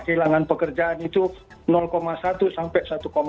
kehilangan pekerjaan itu satu sampai satu lima